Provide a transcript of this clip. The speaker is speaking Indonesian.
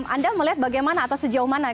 anda melihat bagaimana atau sejauh mana